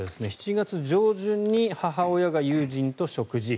７月上旬に母親が友人と食事。